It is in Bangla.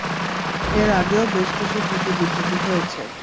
এর আগেও বেশ কিছু ত্রুটিবিচ্যুতি হয়েছে।